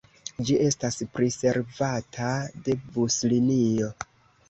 Ĝi estas priservata de buslinio.